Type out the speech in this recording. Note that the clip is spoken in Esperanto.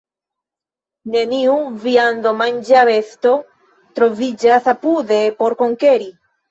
Neniu viandomanĝa besto troviĝas apude por konkuri.